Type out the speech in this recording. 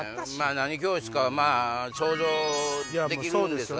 何教室かは想像できるんですが。